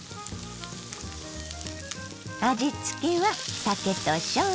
味付けは酒としょうゆ。